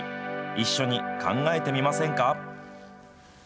一緒に考えてみませんか？